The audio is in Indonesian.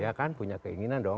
ya kan punya keinginan dong